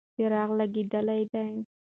څراغ لګېدلی دی.